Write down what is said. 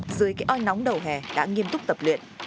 dưới cái oi nóng đầu hè đã nghiêm túc tập luyện